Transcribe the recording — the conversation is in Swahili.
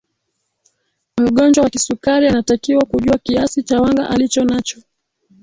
mgonjwa wa kisukari anatakiwa kujua kiasi cha wanga alichonacho